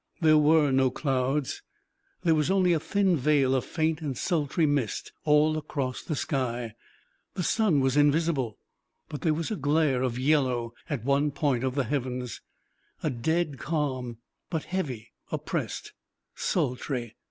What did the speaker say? There were no clouds; there was only a thin veil of faint and sultry mist all across the sky: the sun was invisible, but there was a glare of yellow at one point of the heavens. A dead calm; but heavy, oppressed, sultry.